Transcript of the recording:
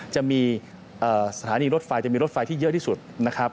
จะมีสถานีรถไฟจะมีรถไฟที่เยอะที่สุดนะครับ